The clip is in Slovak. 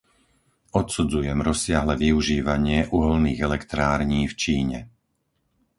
Odsudzujem rozsiahle využívanie uhoľných elektrární v Číne.